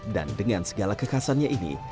dan dengan segala kekhasannya ini